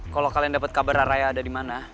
kalo kalian dapet kabar raya ada dimana